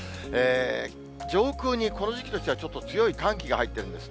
上空にこの時期としてはちょっと強い寒気が入ってるんです。